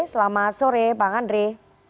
selamat sore bang andre